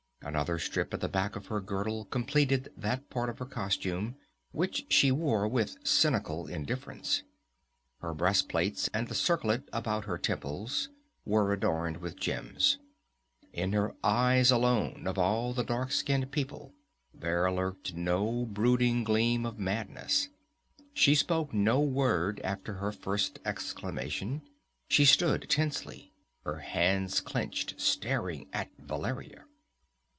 Another strip at the back of her girdle completed that part of her costume, which she wore with a cynical indifference. Her breast plates and the circlet about her temples were adorned with gems. In her eyes alone of all the dark skinned people there lurked no brooding gleam of madness. She spoke no word after her first exclamation; she stood tensely, her hands clenched, staring at Valeria.